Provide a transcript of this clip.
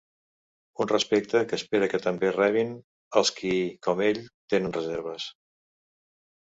Un respecte que espera que també rebin els qui, com ell, tenen reserves.